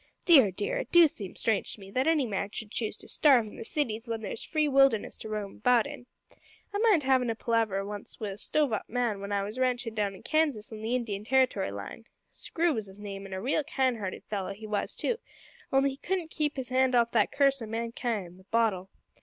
Dear, dear, it do seem strange to me that any man should choose to starve in the cities when there's the free wilderness to roam about in. I mind havin' a palaver once wi' a stove up man when I was ranchin' down in Kansas on the Indian Territory Line. Screw was his name, an' a real kind hearted fellow he was too only he couldn't keep his hand off that curse o' mankind, the bottle.